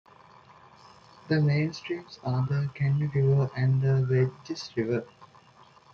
The main streams are the Caney River and the Verdigris River.